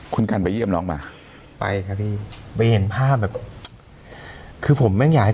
คุณกันไปเยี่ยมน้องมาไปครับพี่ไปเห็นภาพแบบคือผมแม่งอยากให้